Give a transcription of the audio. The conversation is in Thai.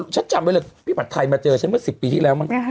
ฉันจำไว้เลยพี่ปัดไทยมาเจอฉันก็๑๐ปีที่แล้ว